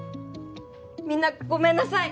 みんなごめんなさい！